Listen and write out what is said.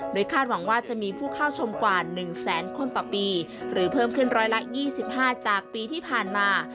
คาดหวังว่าจะมีผู้เข้าชมกว่า๑แสนคนต่อปีหรือเพิ่มขึ้น๑๒๕จากปีที่ผ่านมา